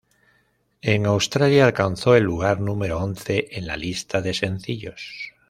En Australia, alcanzó el lugar número once en la lista de sencillos.